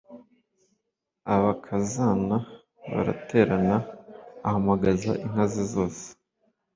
abakazana baraterana, ahamagaza inka ze zose,